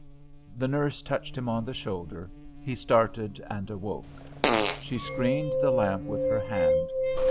The nurse touched him on the shoulder, he started and awoke. She screened the lamp with her hand.